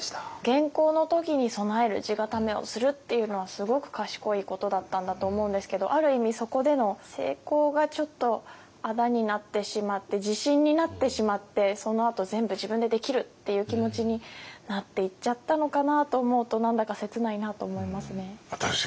元寇の時に備える地固めをするっていうのはすごく賢いことだったんだと思うんですけどある意味そこでの成功がちょっとあだになってしまって自信になってしまってそのあと全部自分でできるっていう気持ちになっていっちゃったのかなと思うと何だか切ないなと思いますね。